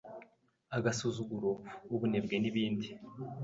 agasuzuguro, ubunebwe n’ibindi.